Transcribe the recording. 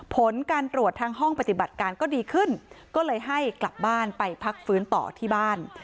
ผลการตรวจทางห้องปฏิบัติการก็ดีขึ้นก็เลยให้กลับบ้านไปพักฟื้นต่อที่บ้าน